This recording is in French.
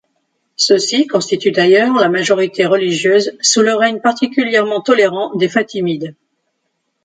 Ceux-ci constituent d'ailleurs la majorité religieuse sous le règne particulièrement tolérant des Fatimides.